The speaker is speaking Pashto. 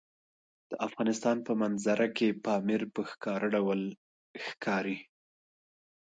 د افغانستان په منظره کې پامیر په ښکاره ډول ښکاري.